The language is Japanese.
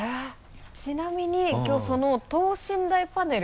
ちなみにきょうその等身大パネル。